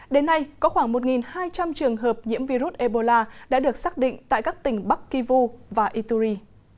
đến nay có khoảng một hai trăm linh trường hợp nhiễm virus ebola đã được xác định tại các tỉnh bắc kivu và ituri